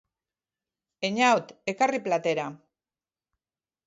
Eñaut, ekarri platera.